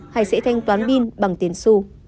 hay sẽ thanh toán pin bằng tiền xu